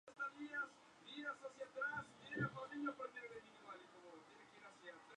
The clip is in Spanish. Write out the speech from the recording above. Su cola es relativamente larga.